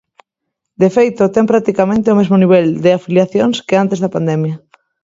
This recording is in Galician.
De feito, ten practicamente o mesmo nivel de afiliacións que antes da pandemia.